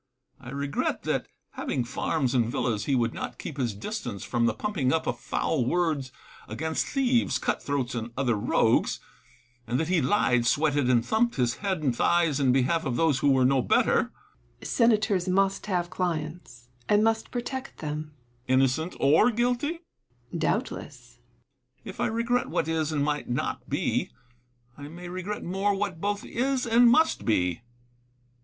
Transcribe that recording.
I regret that, having farms and villas, he would not keep his distance from the pumping up of foul words against thieves, cut throats, and other rogues ; and that he lied, sweated, and thumped his head and thighs, in behalf of those who were no better. Seneca. Senators must have clients, and must protect them. 70 IMAGINARY CONVERSATIONS. Epictetus. Innocent or guilty ? Seneca. Doubtless. Epictetus. If I regret what is and might not be, I may regret more what both is and must be.